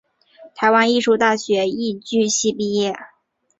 台湾艺术大学戏剧系毕业。